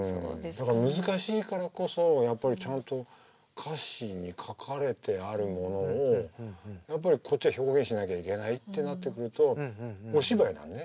だから難しいからこそやっぱりちゃんと歌詞に書かれてあるものをやっぱりこっちは表現しなきゃいけないってなってくるとお芝居だね。